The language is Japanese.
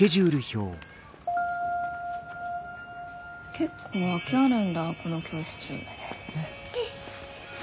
結構空きあるんだこの教室。